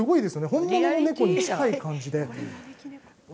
本物の猫に近い感じで。